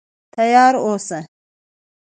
تیار اوسه.